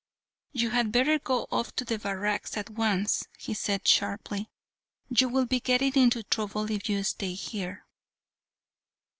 "You had better go off to the barracks at once," he said, sharply; "you will be getting into trouble if you stay here."